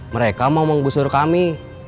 mereka mau menggusur kami